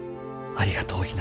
ありがとう。